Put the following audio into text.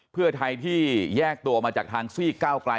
เพื่อไทยที่แยกตัวมาจากทางซีกเก้าไกล